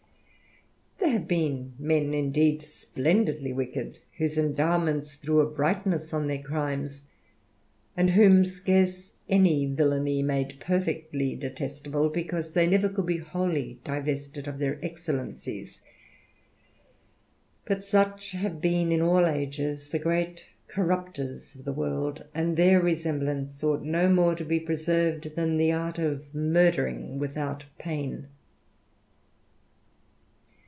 There have been men indeed splendidly wicked, whose endowments threw a brightness on their crimes, and whom scarce any villany made perfectly detestable, because they ne%'er could be wholly divested of their excellencies ; but such have been in all ages the great cOrruptere of the world, and their resemblance ought no more to be preserved than the art of murdering without pain.